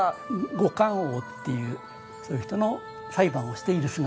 五官王っていうそういう人の裁判をしている姿。